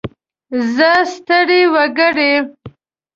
زه ستړی وګړی.